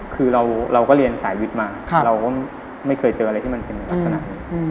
คือเราก็เรียนสายวิทย์มาเราก็ไม่เคยเจออะไรที่มันเป็นลักษณะนี้